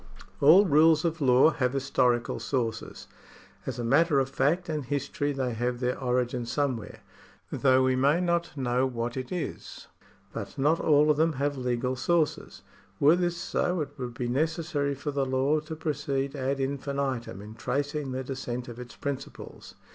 All rules of law have historical sources. As a matter of fact and history they have their origin somewhere, though we may not know what it is. But not all of them have legal sources. Were this so, it would be necessary for the law to proceed ad infinitum in tracing the descent of its principles.